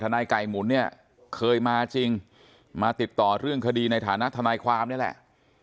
นายไก่หมุนเนี่ยเคยมาจริงมาติดต่อเรื่องคดีในฐานะทนายความนี่แหละ